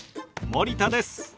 森田です！